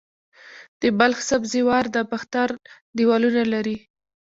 د بلخ سبزې وار د باختر دیوالونه لري